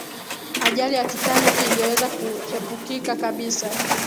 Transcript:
ajali ya titanic ingeweza kuepukika kabisa